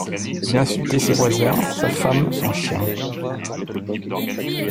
il insultait ses voisins, sa femme, son chien